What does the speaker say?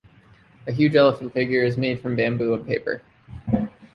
A huge elephant figure is made from bamboo and paper.